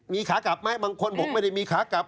มีขากลับไหมบางคนบอกไม่ได้มีขากลับ